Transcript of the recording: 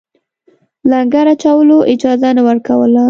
لنګر اچولو اجازه نه ورکوله.